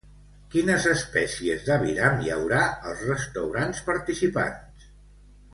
Quines espècies d'aviram hi haurà als restaurants participants?